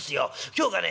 今日がね